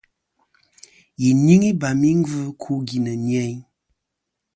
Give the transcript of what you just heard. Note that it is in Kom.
Yi nyɨŋ ibam i gvɨ ku gvì nɨ̀ nyeyn.